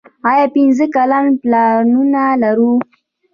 آیا پنځه کلن پلانونه لرو؟